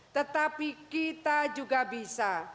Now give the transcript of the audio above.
tetapi kita juga bisa